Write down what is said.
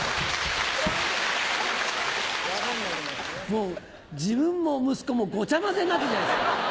もう自分も息子もごちゃ混ぜになってるじゃないですか。